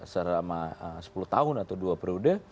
selama sepuluh tahun atau dua periode